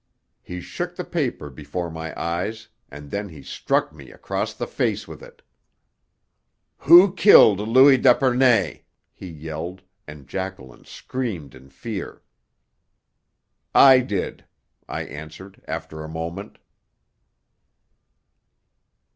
He shook the paper before my eyes and then he struck me across the face with it. "Who killed Louis d'Epernay?" he yelled, and Jacqueline screamed in fear. "I did," I answered after a moment.